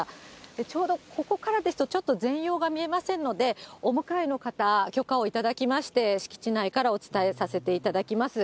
ちょうどここからですと、全容が見えませんので、お向かいの方、許可を頂きまして、敷地内からお伝えさせていただきます。